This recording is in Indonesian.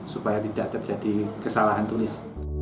supaya tidak terjadi kesalahan tulis